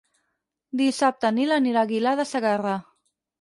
Dissabte en Nil anirà a Aguilar de Segarra.